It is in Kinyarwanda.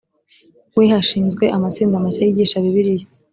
wa hashinzwe amatsinda mashya yigisha bibiliya